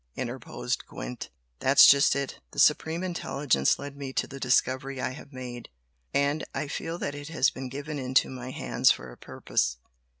interposed Gwent. "That's just it! The Supreme Intelligence led me to the discovery I have made and I feel that it has been given into my hands for a purpose.